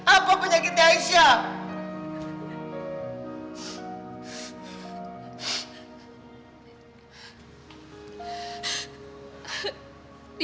apa penyakit aisyah